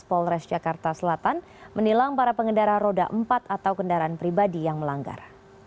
polres jakarta selatan menilang para pengendara roda empat atau kendaraan pribadi yang melanggar